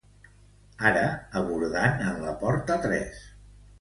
Ara, abordant en la porta tres.